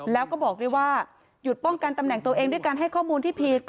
แล้วก็บอกด้วยว่าหยุดป้องกันตำแหน่งตัวเองด้วยการให้ข้อมูลที่ผิด